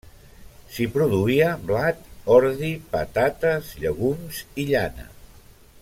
S'hi produïa blat, ordi, patates, llegums i llana.